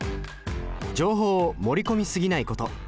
情報を盛り込み過ぎないこと。